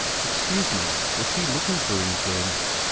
Excuse me, was she looking for anything?